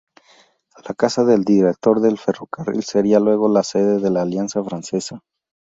La casa del director del ferrocarril sería luego la sede de la Alianza Francesa.